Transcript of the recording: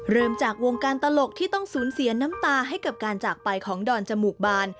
เริ่มจากวงการตลกที่ต้องสูญเสียน้ำตาให้กับการจากไปของดอนจมูกบาน